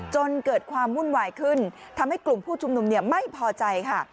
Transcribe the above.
จนเกิดความวุ่นวายขึ้นทำให้กลุ่มผู้ชุมนุมไม่พอใจค่ะ